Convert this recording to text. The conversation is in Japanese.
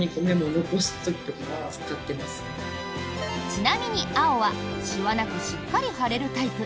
ちなみに青はしわなくしっかり貼れるタイプ。